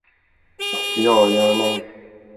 Ja, gärna.